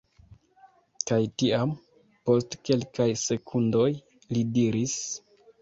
Kaj tiam, post kelkaj sekundoj, li diris: